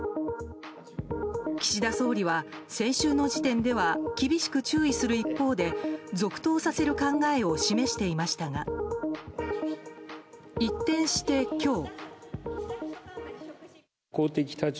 岸田総理は先週の時点では厳しく注意する一方で続投させる考えを示していましたが一転して、今日。